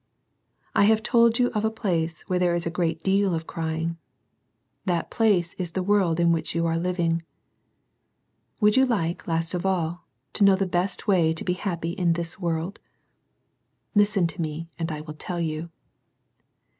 — I have told you of a place where there is a great deal of crying. Thai place is the world in which you are living Would you like, last of all, to know the besi way to be happy in this world ? Listen to me and I will tell you.